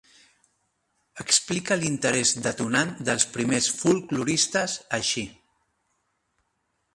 Explique l'interés detonant dels primers folkloristes així: